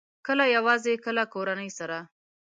کله یوازې، کله کورنۍ سره